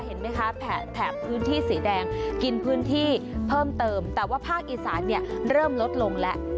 เห็นไหมคะแถบพื้นที่สีแดงกินพื้นที่เพิ่มเติมแต่ว่าภาคอีสานเนี่ยเริ่มลดลงแล้ว